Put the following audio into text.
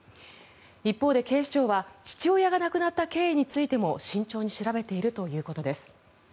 一方で警視庁は父親が亡くなった経緯についても慎重に調べているということです。